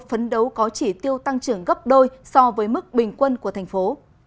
phấn đấu có chỉ tiêu tăng trưởng gấp đôi so với mức bình quân của thành phố